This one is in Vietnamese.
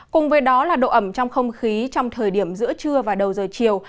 cùng với đó là độ ẩm trong không khí trong thời điểm giữa trưa và đầu giờ chiều